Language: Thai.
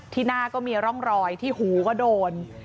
ที่หน้าก็มีร่องรอยที่หูก็โดน